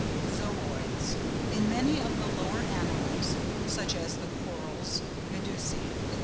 ZOOIDS.—In many of the lower animals (such as the Corals, Medusæ, &c.)